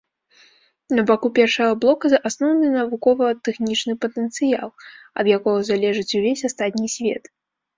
На баку першага блока асноўны навукова-тэхнічны патэнцыял, ад якога залежыць увесь астатні свет.